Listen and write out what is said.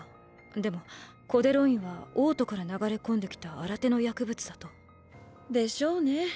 でもコデロインは王都から流れ込んできた新手の薬物だと。でしょうね。